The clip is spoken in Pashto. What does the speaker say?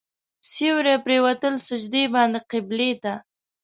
سیوري پرېوتل سجدې باندې قبلې ته.